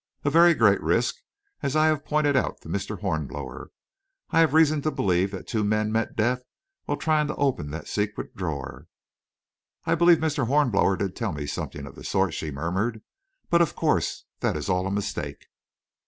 "A very great risk, as I have pointed out to Mr. Hornblower. I have reason to believe that two men met death while trying to open that secret drawer." "I believe Mr. Hornblower did tell me something of the sort," she murmured; "but of course that is all a mistake."